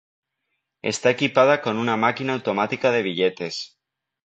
Está equipada con una máquina automática de billetes.